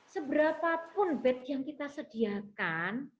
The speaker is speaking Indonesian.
seberapapun bed yang kita sediakan